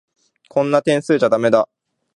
こんな点数じゃだめ。